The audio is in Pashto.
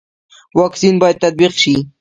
واکسین باید تطبیق شي